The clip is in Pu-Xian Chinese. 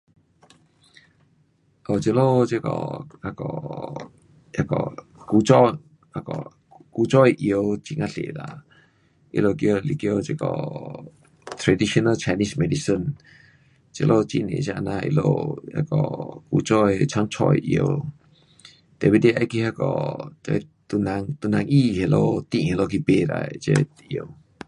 哦，这里这个那个那个古早那个，古早的药很呀多啦，他们叫，是叫这个 traditional Chinese medicine, 这里很多这啊呐他们那个古早的创造的药，tapi 你要去那个唐人，唐人医那里店去买啦这药。